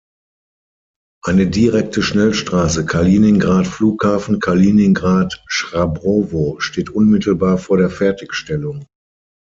Eine direkte Schnellstraße Kaliningrad–Flughafen Kaliningrad-Chrabrowo steht unmittelbar vor der Fertigstellung.